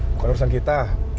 bukan urusan kita